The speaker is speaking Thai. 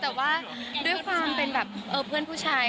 แต่ว่าด้วยความเป็นแบบเพื่อนผู้ชาย